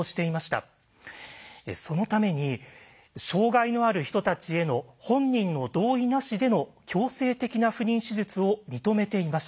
そのために障害のある人たちへの本人の同意なしでの強制的な不妊手術を認めていました。